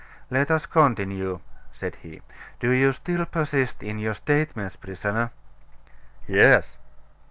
"Let us continue," said he. "Do you still persist in your statements, prisoner?" "Yes."